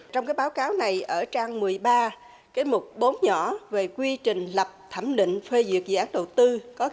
trong báo cáo này ở trang một mươi ba mục bốn nhỏ về quy trình lập thẩm định phê duyệt dự án đầu tư